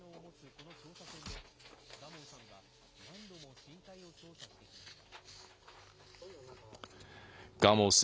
この調査船で蒲生さんは何度も深海を調査してきました。